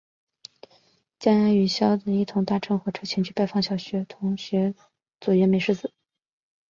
将也与硝子一同搭乘火车前去拜访小学同学佐原美世子。